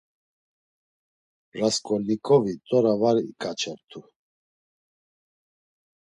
Rasǩolnikovi t̆ora var iǩaçert̆u.